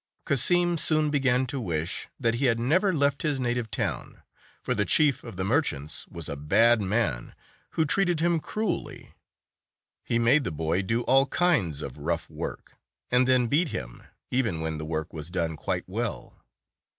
Cassim soon began to wish that he had never left his native town, for the chief of the mer chants was a bad man who treated him cruelly. He made the boy do all kinds of rough work, and then beat him, even when the work was done quite well.